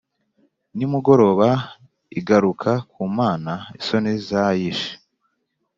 Nimugoroba igaruka ku Mana isoni zayishe,